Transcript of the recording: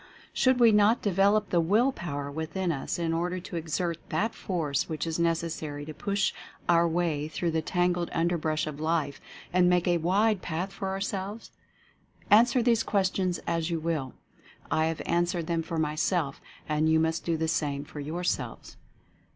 Should we not de velop the Will Power within us, in order to exert that Force which is necessary to push our way through the tangled underbrush of Life and make a wide path for ourselves? Answer these questions as you will. I have answered them for myself, and you must do the same for yourselves.